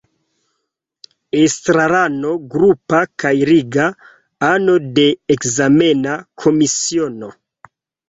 Estrarano grupa kaj liga, ano de ekzamena komisiono.